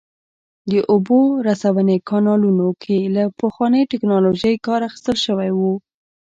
د اوبو رسونې کانالونو کې له پخوانۍ ټکنالوژۍ کار اخیستل شوی و